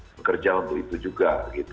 bekerja untuk itu juga